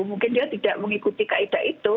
mungkin dia tidak mengikuti kaedah itu